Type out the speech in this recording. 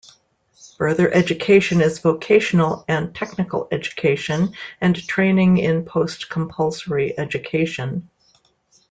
Further education is vocational and technical education and training in post-compulsory education.